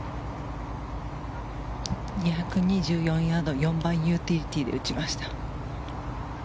２２４ヤード４番ユーティリティーで打ちました。